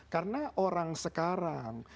karena orang sekarang